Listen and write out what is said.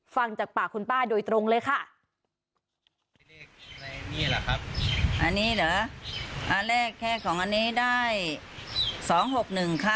ฟังจากปากคุณป้าโดยตรงเลยค่ะอันนี้เหรออันแรกแค่ของอันนี้ได้สองหกหนึ่งค่ะ